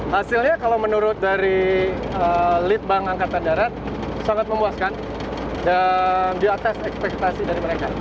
hasilnya kalau menurut dari lead bank angkatan darat sangat memuaskan dan di atas ekspektasi dari mereka